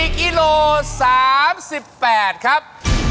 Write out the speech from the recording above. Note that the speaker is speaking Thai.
กิโล๓๘ครับ